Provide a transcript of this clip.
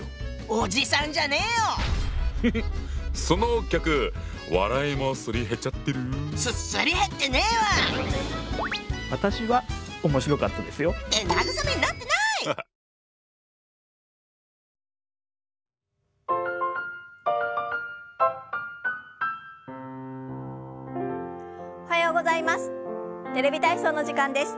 おはようございます。